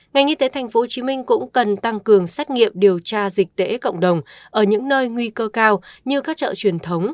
ngành y tế tp hcm cũng cần tăng cường xét nghiệm điều tra dịch tễ cộng đồng ở những nơi nguy cơ cao như các chợ truyền thống